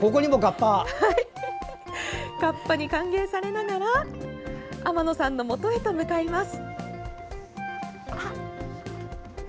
カッパに歓迎されながら天野さんのもとへと向かいます。